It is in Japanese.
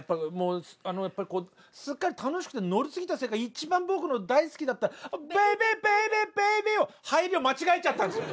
やっぱりすっかり楽しくて乗りすぎたせいか一番僕の大好きだった「ＢａｂｙＢａｂｙＢａｂｙ」を入りを間違えちゃったんですよ。